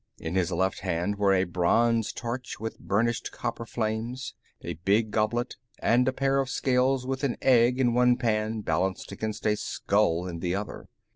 In his left hands were a bronze torch with burnished copper flames, a big goblet, and a pair of scales with an egg in one pan balanced against a skull in the other.